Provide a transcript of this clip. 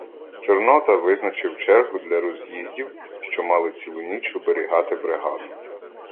Чорнота визначив чергу для роз'їздів, що мали цілу ніч оберігати бригаду.